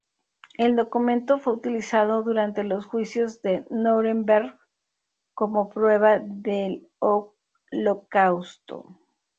El documento fue utilizado durante los Juicios de Núremberg como prueba del Holocausto.